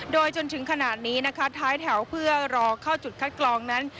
โดยจนถึงขนาดนี้นะคะท้ายแถวเพื่อรอเข้าจุดคัดกรองนั้น